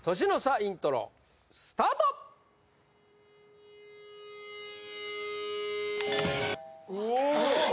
イントロスタート・おお！